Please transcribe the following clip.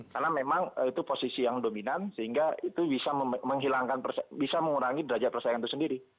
karena memang itu posisi yang dominan sehingga itu bisa mengurangi derajat persaingan itu sendiri